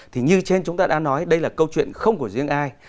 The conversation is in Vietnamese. thì như trên chúng ta đã nói đây là câu chuyện không của riêng ai